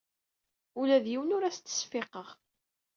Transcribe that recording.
Ula d yiwen ur as-ttseffiqeɣ.